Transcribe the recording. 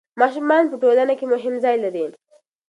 ماشومان په ټولنه کې مهم ځای لري.